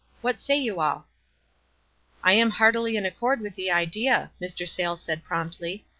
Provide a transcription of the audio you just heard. What say you all?" "I am heartily in accord with the idea," Mr. Sayles said, promptly.